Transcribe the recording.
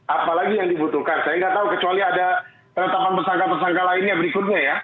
apalagi yang dibutuhkan saya nggak tahu kecuali ada penetapan tersangka tersangka lainnya berikutnya ya